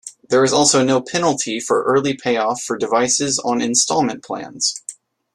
There is also no penalty for early payoff for devices on installment plans.